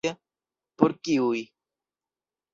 Por kiuj?